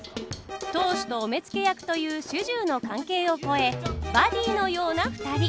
当主とお目付け役という主従の関係を超えバディーのようなふたり。